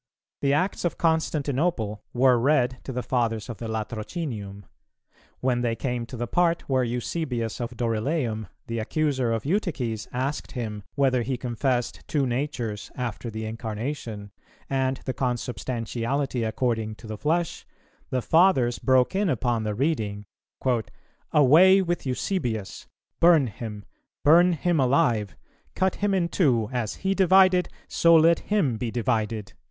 The Acts of Constantinople were read to the Fathers of the Latrocinium; when they came to the part where Eusebius of Dorylæum, the accuser of Eutyches, asked him, whether he confessed Two Natures after the Incarnation, and the Consubstantiality according to the flesh, the Fathers broke in upon the reading: "Away with Eusebius; burn him; burn him alive; cut him in two; as he divided, so let him be divided."